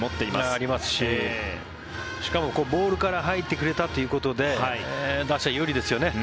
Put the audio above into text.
ありますししかも、ボールから入ってくれたということで打者有利ですよね。